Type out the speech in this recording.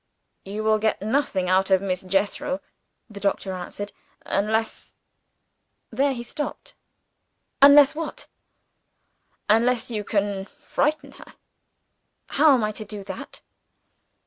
"You will get nothing out of Miss Jethro," the doctor answered, "unless " there he stopped. "Unless, what?" "Unless you can frighten her." "How am I to do that?"